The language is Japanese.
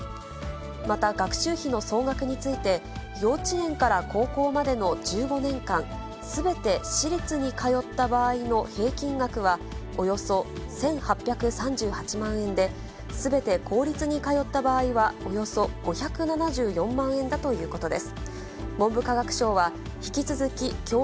また学習費の総額について、幼稚園から高校までの１５年間、すべて私立に通った場合の平均額は、およそ１８３８万円で、すべて公立に通った場合は、およそ５７４万円だということです。